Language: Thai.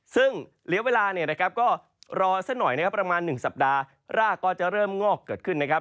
ซึ่งเหลือเวลาเนี่ยนะครับก็รอสักหน่อยนะครับประมาณ๑สัปดาห์รากก็จะเริ่มงอกเกิดขึ้นนะครับ